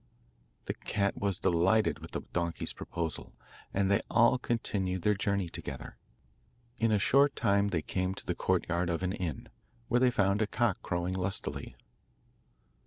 The cat was delighted with the donkey's proposal, and they all continued their journey together. In a short time they came to the courtyard of an inn, where they found a cock crowing lustily.